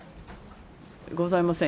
ございません。